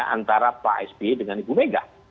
antara pak sby dengan ibu mega